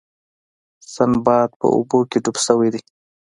سنباد په اوبو کې ډوب شوی دی.